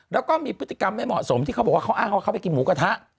แล้วก็มีพฤติกรรมไม่เหมาะสมที่เขาบอกว่าเขาอ้างว่าเขาไปกินหมูกระทะ